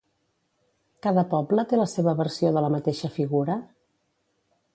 Cada poble té la seva versió de la mateixa figura?